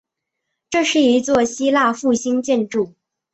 这是一座希腊复兴建筑。